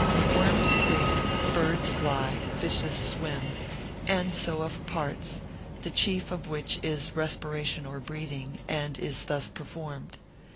Worms creep, birds fly, fishes swim; and so of parts, the chief of which is respiration or breathing, and is thus performed.